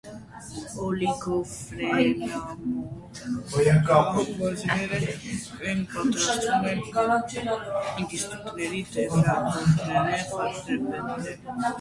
Օլիգոֆրենոմանկավարժներ են պատրաստում ինստիտուտների դեֆեկտոլոգիայի ֆակուլտետները։